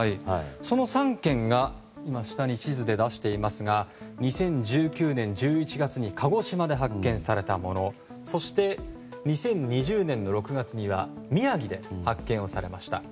その３件が地図で出していますが２０１９年１１月に鹿児島で発見されたものそして２０２０年の６月には宮城で発見されました。